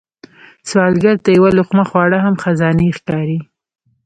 سوالګر ته یو لقمه خواړه هم خزانې ښکاري